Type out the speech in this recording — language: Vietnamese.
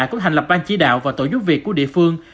cũng hành lập ban chỉ đạo và tổ giúp việc của địa phương